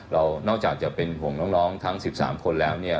นอกจากจะเป็นห่วงน้องทั้ง๑๓คนแล้วเนี่ย